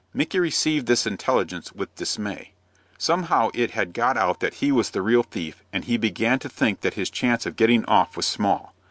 Micky received this intelligence with dismay. Somehow it had got out that he was the real thief, and he began to think that his chance of getting off was small.